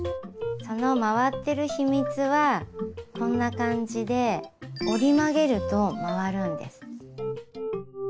その回ってる秘密はこんな感じで折り曲げると回るんです。